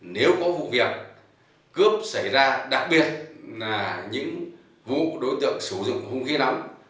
nếu có vụ việc cướp xảy ra đặc biệt là những vụ đối tượng sử dụng hung khí nóng